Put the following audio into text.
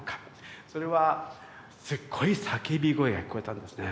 それはすっごい叫び声が聞こえたんですね